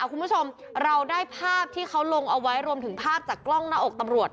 คุณผู้ชมเราได้ภาพที่เขาลงเอาไว้รวมถึงภาพจากกล้องหน้าอกตำรวจ